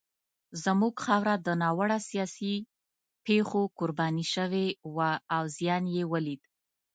زموږ خاوره د ناوړه سیاسي پېښو قرباني شوې وه او زیان یې ولید.